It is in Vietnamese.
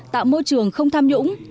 tạo môi trường không tham nhũng